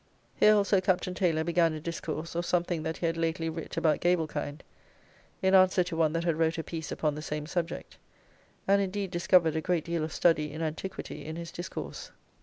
Here also Capt. Taylor began a discourse of something that he had lately writ about Gavelkind in answer to one that had wrote a piece upon the same subject; and indeed discovered a great deal of study in antiquity in his discourse.